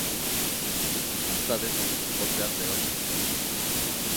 Antza denez, hotzean lehortu ziren.